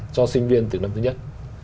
cho sinh viên từ năm thứ nhất